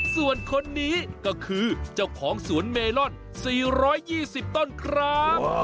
ส่วนคนนี้ก็คือเจ้าของสวนเมลอนสี่ร้อยยี่สิบต้นคร้าว